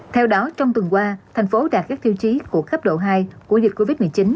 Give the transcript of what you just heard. theo đó trong tuần qua thành phố đạt các tiêu chí của cấp độ hai của dịch covid một mươi chín